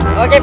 oke pak siap